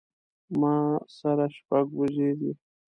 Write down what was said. ما سره شپږ وزې دي